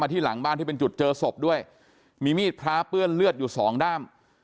ที่หลังบ้านที่เป็นจุดเจอศพด้วยมีมีดพระเปื้อนเลือดอยู่สองด้าม